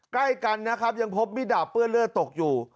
ใกล้กันนะครับยังพบมิดาบเปื้อนเลือดตกอยู่